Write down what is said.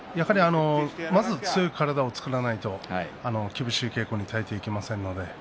まず強い体を作らないと厳しい稽古に耐えていけません。